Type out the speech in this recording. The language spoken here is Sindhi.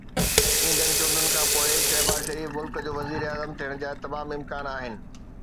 ايندڙ چونڊن کانپوءِ شهباز شريف ملڪ جو وزيراعظم ٿيڻ جا تمام امڪان آهن.